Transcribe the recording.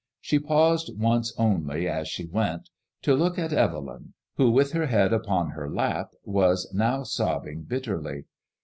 She paused once only, as she went, to look at Evelyn, who, with her head upon her lap, was now sobbing bitterly.